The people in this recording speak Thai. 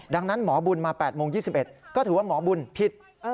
ดังนั้นหมอบุญมา๘โมง๒๑ก็ถือว่าหมอบุญผิด